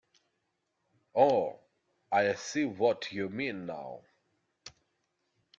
Oh, I see what you mean now.